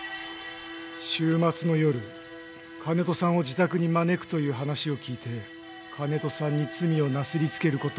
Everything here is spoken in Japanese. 週末の夜金戸さんを自宅に招くという話を聞いて金戸さんに罪をなすりつける事を思い付きました。